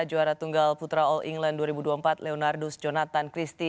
juara tunggal putra all england dua ribu dua puluh empat leonardos jonathan christie